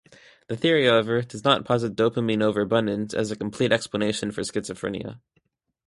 The theory, however, does not posit dopamine overabundance as a complete explanation for schizophrenia.